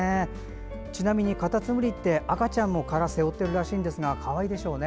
ちなみにカタツムリって赤ちゃんも殻を背負っているらしいんですがかわいいでしょうね。